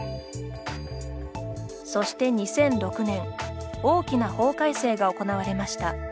そして２００６年大きな法改正が行われました。